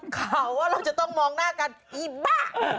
ข่าวว่าเราจะต้องมองหน้ากันอีบ้า